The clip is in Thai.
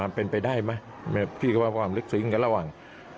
มันเป็นไปได้ไหมพี่ก็ว่าความลึกซึ้งกันระหว่าง